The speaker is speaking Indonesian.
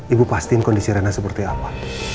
ibu pastiin kondisi rena seperti apa